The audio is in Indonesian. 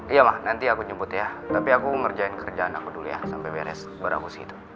iya ma nanti aku jemput ya tapi aku ngerjain kerjaan aku dulu ya sampe beres dua ratus gitu